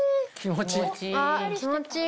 気持ちいい。